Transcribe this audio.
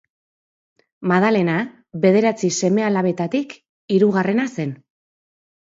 Madalena bederatzi seme-alabetatik hirugarrena zen.